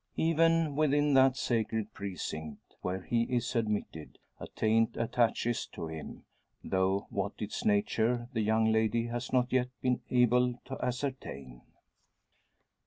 Even within that sacred precinct where he is admitted, a taint attaches to him; though what its nature the young lady has not yet been able to ascertain.